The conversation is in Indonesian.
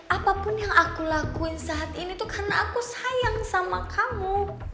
apapun yang aku lakuin saat ini tuh karena aku sayang sama kamu